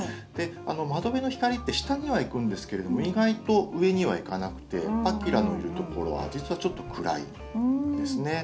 窓辺の光って下には行くんですけれども意外と上には行かなくてパキラのいるところは実はちょっと暗いんですね。